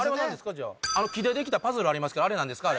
じゃあ木でできたパズルありますけどあれ何ですか？